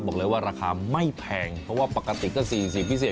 บอกเลยว่าราคาไม่แพงเพราะว่าปกติก็๔๐พิเศษ